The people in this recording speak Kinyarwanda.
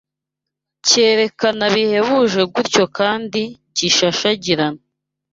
cyererana bihebuje gutyo kandi gishashagirana